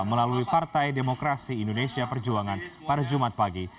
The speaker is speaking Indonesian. melalui partai demokrasi indonesia perjuangan pada jumat pagi